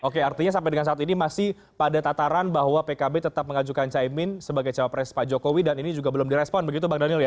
oke artinya sampai dengan saat ini masih pada tataran bahwa pkb tetap mengajukan caimin sebagai cawapres pak jokowi dan ini juga belum direspon begitu bang daniel ya